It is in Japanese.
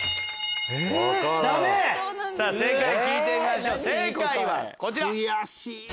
さぁ聴いてみましょう正解はこちら。